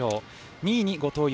２位に後藤夢。